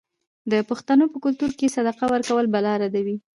د پښتنو په کلتور کې صدقه ورکول بلا ردوي.